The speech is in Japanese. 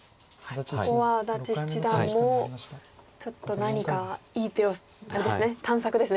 ここは安達七段もちょっと何かいい手をあれですね探索ですね。